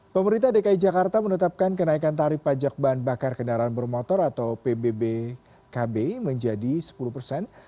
pemerintah dki jakarta menetapkan kenaikan tarif pajak bahan bakar kendaraan bermotor atau pbbkb menjadi sepuluh persen